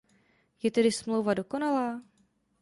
Je tedy smlouva dokonalá?